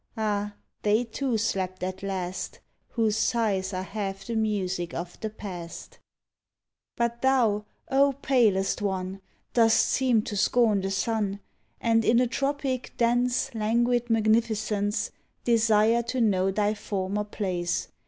Ah I they too slept at last, Whose sighs are half the music of the Past I But thou, O palest one I Dost seem to scorn the sun. And, in a tropic, dense. Languid magnificence. Desire to know thy former place.